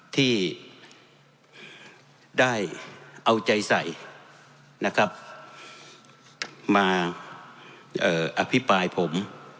ที่ได้เอาใจใสมาอภิปรายผม